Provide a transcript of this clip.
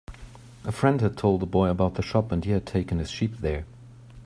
A friend had told the boy about the shop, and he had taken his sheep there.